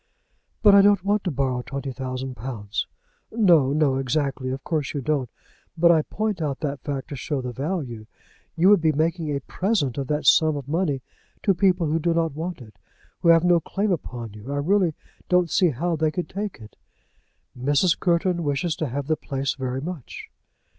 "But I don't want to borrow twenty thousand pounds." "No, no; exactly. Of course you don't. But I point out that fact to show the value. You would be making a present of that sum of money to people who do not want it, who have no claim upon you. I really don't see how they could take it." "Mrs. Courton wishes to have the place very much."